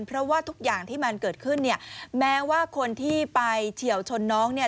เพราะว่าทุกอย่างที่มันเกิดขึ้นเนี่ยแม้ว่าคนที่ไปเฉียวชนน้องเนี่ย